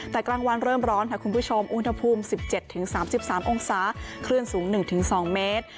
แต่กลางวันเริ่มร้อนค่ะคุณผู้ชมอุณหภูมิ๑๗๓๓องศาคลื่นสูง๑๒เมตร